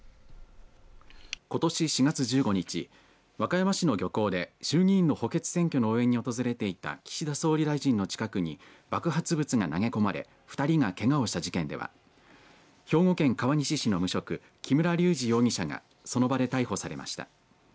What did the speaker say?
ことし４月１５日和歌山市の漁港で衆議院の補欠選挙の応援に訪れていた岸田総理大臣の近くに爆発物が投げ込まれ２人がけがをした事件では兵庫県川西市の無職木村隆二容疑者がその場で逮捕されました。